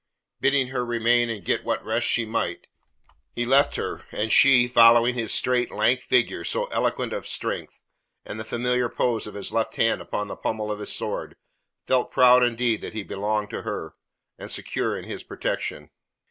Bidding her remain and get what rest she might, he left her, and she, following his straight, lank figure so eloquent of strength and the familiar poise of his left hand upon the pummel of his sword, felt proud indeed that he belonged to her, and secure in his protection.